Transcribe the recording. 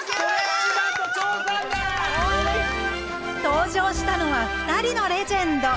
登場したのは２人のレジェンド。